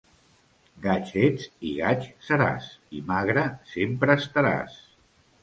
Gaig ets i gaig seràs i magre sempre estaràs.